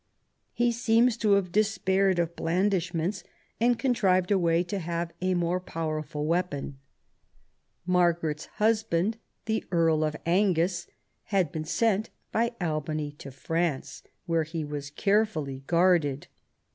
He seems to have despaired of blandishments, and contrived a way to have a more powerful weapon. Margaret's husband, the Earl of Angus, had been sent by Albany to France, where he was carefully guarded.